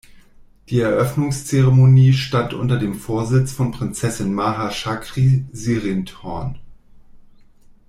Die Eröffnungszeremonie stand unter dem Vorsitz von Prinzessin Maha Chakri Sirindhorn.